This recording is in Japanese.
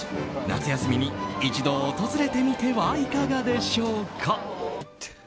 夏休みに一度訪れてみてはいかがでしょうか。